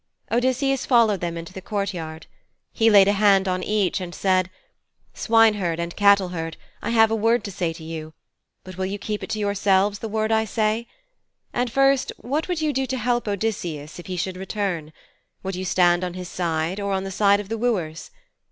Odysseus followed them into the courtyard. He laid a hand on each and said, 'Swineherd and cattleherd, I have a word to say to you. But will you keep it to yourselves, the word I say? And first, what would you do to help Odysseus if he should return? Would you stand on his side, or on the side of the wooers?